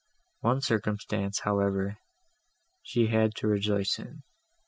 One circumstance, however, she had to rejoice in.